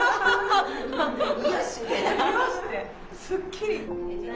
すっきり。